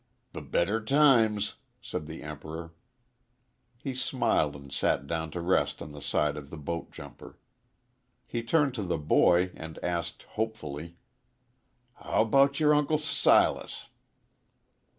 "B Better times!" said the Emperor. He smiled and sat down to rest on the side of the boat jumper. He turned to the boy and asked, hopefully, "How 'bout yer Uncle S Silas?"